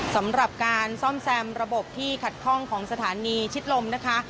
สำหรับการซ่อมแซมระบบที่ขัดข้องของสถานีชิดลมนะคะ